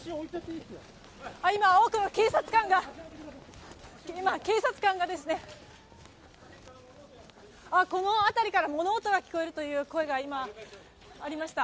今、多くの警察官がこの辺りから物音が聞こえるという声が今、ありました。